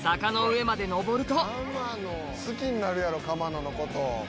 好きになるやろ鎌野のこと。